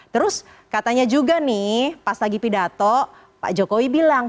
terus katanya juga nih pas lagi pidato pak jokowi bilang